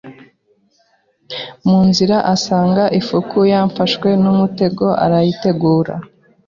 Mu nzira asanga ifuku yafashwe n' umutego arayitegura